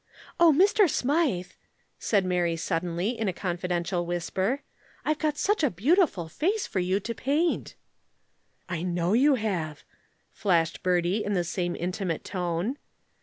"Oh, Mr. Smythe," said Mary suddenly, in a confidential whisper. "I've got such a beautiful face for you to paint." "I know you have!" flashed Bertie, in the same intimate tone.